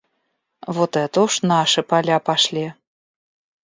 Вот это уж наши поля пошли.